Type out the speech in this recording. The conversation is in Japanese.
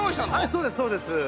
はいそうですそうです。